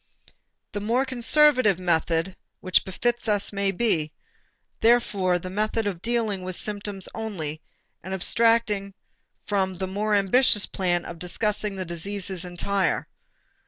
The more conservative method which befits us may be, therefore, the method of dealing with symptoms only and abstracting from the more ambitious plan of discussing the diseases entire.